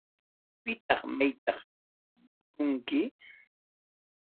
Pitaq maytam rikunki.